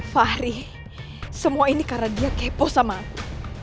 fahri semua ini karena dia kepo sama aku